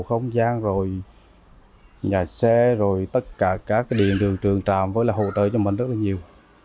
không gian rồi nhà xe rồi tất cả các cái điện đường trường trạm với là hỗ trợ cho mình rất là nhiều